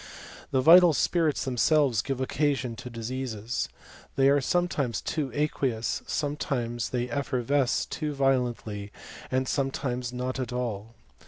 The vital spirits themselves give occasion to diseases. They are sometimes too aqueous, sometimes they effervesce too violently, and sometimes not at all.